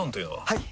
はい！